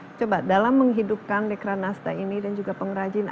nah coba dalam menghidupkan dekranasta ini dan sebagainya